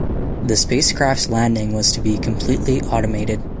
The spacecraft's landing was to be completely automated.